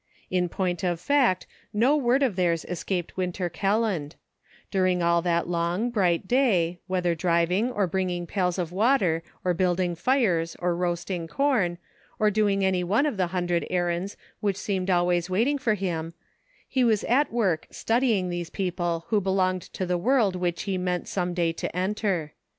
In point of fact, no word of theirs escaped Winter Kelland ; during all that long, bright day, whether driving, or bringing pails of water, or building fires, or roasting corn, or doing any one of the hundred errands which seemed always wait ing for him, he was at work studying these peo ple who belonged to the world which he meant some day to enter.